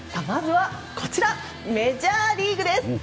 まずはこちらメジャーリーグです。